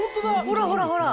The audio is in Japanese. ほらほらほら。